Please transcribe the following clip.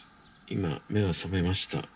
今、目が覚めました。